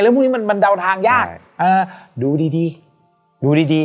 เรื่องพวกนี้มันเดาทางยากเออดูดีดูดี